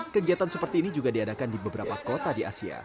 kegiatan seperti ini juga diadakan di beberapa kota di asia